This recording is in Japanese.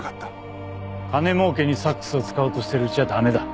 金もうけにサックスを使おうとしてるうちは駄目だ。